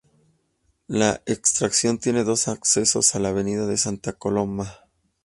La estación tiene dos accesos en la avenida de Santa Coloma.